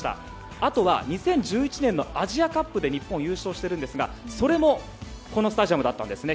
あとは２０１１年のアジアカップで日本は優勝しているんですがそれもこのスタジアムだったんですね。